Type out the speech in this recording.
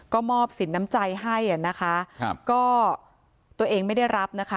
ก็มอบสินน้ำใจให้อ่ะนะคะครับก็ตัวเองไม่ได้รับนะคะ